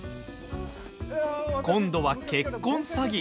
今度は結婚詐欺。